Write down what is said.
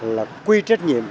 là quy trách nhiệm